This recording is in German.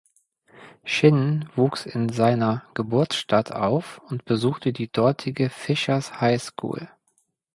Chinn wuchs in seiner Geburtsstadt auf und besuchte die dortige Fishers High School.